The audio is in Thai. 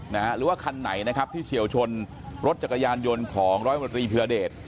หรือว่าคันไหนนะครับที่เฉียวชนรถจักรยานยนต์ของร้อยมตรีพิรเดช